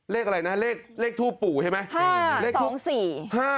เลขอะไรนะเลขทูปปู่ใช่ไหม